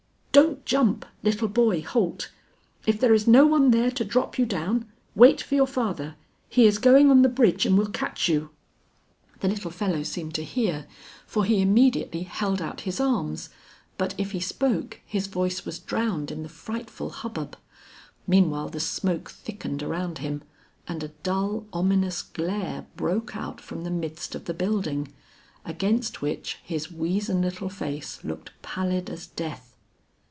"Don't jump, little boy Holt. If there is no one there to drop you down, wait for your father. He is going on the bridge and will catch you." The little fellow seemed to hear, for he immediately held out his arms, but if he spoke, his voice was drowned in the frightful hubbub. Meanwhile the smoke thickened around him, and a dull ominous glare broke out from the midst of the building, against which his weazen little face looked pallid as death.